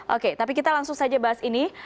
oke tapi kita langsung saja bahas ini